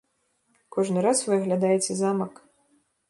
Кожны раз вы аглядаеце замак.